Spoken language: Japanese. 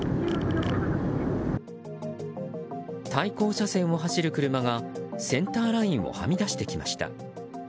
対向車線を走る車がセンターラインをはみ出してきました。